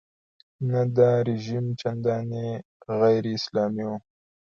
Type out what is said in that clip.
نه دا رژیم چندانې غیراسلامي و.